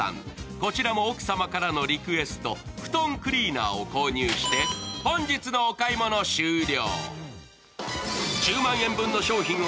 こちらも奥様のリクエスト、布団クリーナーを購入して本日のお買い物終了。